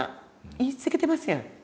言い続けてますやん。